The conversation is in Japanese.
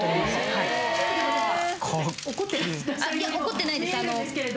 怒ってないです。